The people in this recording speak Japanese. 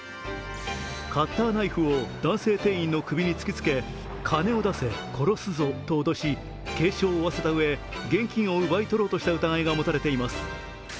カッターナイフを男性店員の首に突きつけ金を出せ、殺すぞと脅し、軽傷を負わせたうえ軽傷を負わせたうえ、現金を奪い取ろうとした疑いが持たれています。